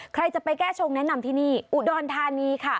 ใครจะไปแก้ชงแนะนำที่นี่อุดรธานีค่ะ